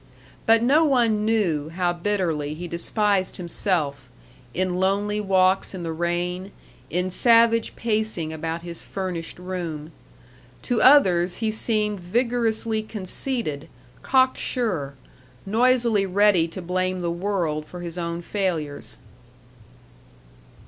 But no one knew how bitterly he despised himself, in lonely walks in the rain, in savage pacing about his furnished room. To others he seemed vigorously conceited, cock sure, noisily ready to blame the world for his own failures.